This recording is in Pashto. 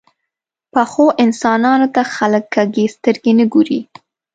پخو انسانانو ته خلک کږې سترګې نه ګوري